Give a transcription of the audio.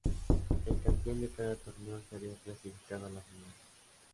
El campeón de cada torneo estaría clasificado a la final.